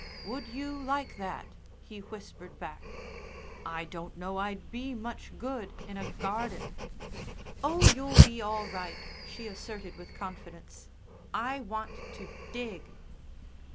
"Would you like that?" he whispered back. "I don't know I'd be much good in a garden." "Oh, you'll be all right," she asserted with confidence. "I want to dig."